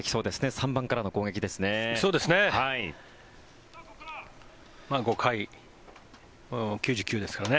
３番からの攻撃ですね。